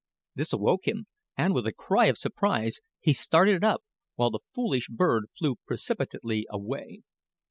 This awoke him, and with a cry of surprise, he started up, while the foolish bird flew precipitately away.